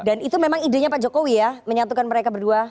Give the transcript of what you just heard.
dan itu memang idenya pak jokowi ya menyatukan mereka berdua